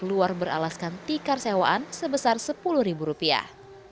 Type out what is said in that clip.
dek luar beralaskan tikar sewaan sebesar sepuluh rupiah